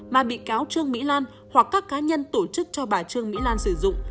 mà bị cáo trương mỹ lan hoặc các cá nhân tổ chức cho bà trương mỹ lan sử dụng